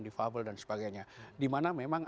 defable dan sebagainya dimana memang